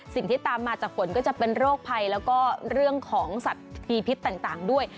สิ่งที่ตามมาจากฝนก็จะเป็นโรคภัยแล้วก็เรื่องของสัตว์พีพิษต่างด้วย